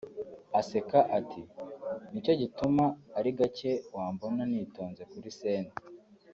(Aseka ati) nicyo gituma ari gake wambona nitonze kuri scene…